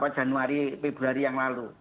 januari februari yang lalu